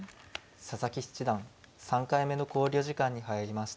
佐々木七段３回目の考慮時間に入りました。